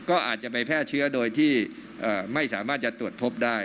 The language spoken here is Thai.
ก็อาจจะไปแพร่เชื้อโดยที่ไม่สามารถจะตรวจพบได้